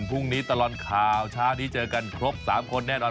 พรุ่งนี้ตลอดข่าวเช้านี้เจอกันครบ๓คนแน่นอน